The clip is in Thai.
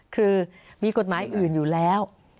คือมีกฎหมายอื่นอยู่แล้ว